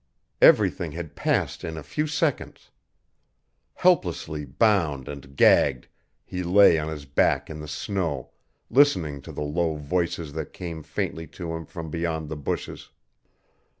Everything had passed in a few seconds. Helplessly bound and gagged he lay on his back in the snow, listening to the low voices that came faintly to him from beyond the bushes.